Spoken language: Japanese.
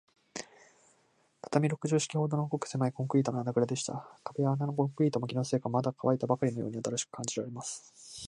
畳六畳敷きほどの、ごくせまいコンクリートの穴ぐらでした。壁や床のコンクリートも、気のせいか、まだかわいたばかりのように新しく感じられます。